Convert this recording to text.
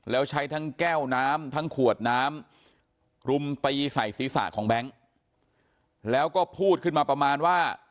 แล้วใช้ทั้งแก้วน้ำทั้งขวดน้ำรุมตีใส่ศีรษะของแบงค์แล้วก็พูดขึ้นมาประมาณว่า